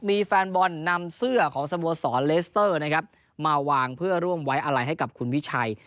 มีแฟนบอลนำเสื้อของสโมสรเลสเตอร์นะครับมาวางเพื่อร่วมไว้อะไรให้กับคุณวิชัย